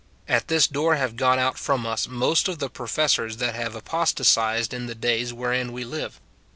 At this door have gone out from us most of the professors that have apostatized in the days wherein we live.